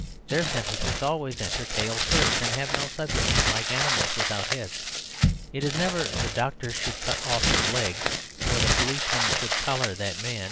Their sentences always enter tail first, and have no subject, like animals without heads. It is never "the doctor should cut off this leg" or "the policeman should collar that man."